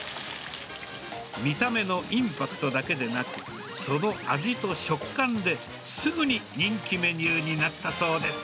見た目のインパクトだけでなく、その味と食感で、すぐに人気メニューになったそうです。